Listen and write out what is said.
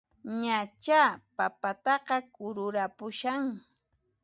Ñachá papataqa kururanpushan!